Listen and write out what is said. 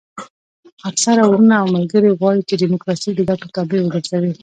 اکثره وروڼه او ملګري غواړي چې ډیموکراسي د ګټو تابع وګرځوي.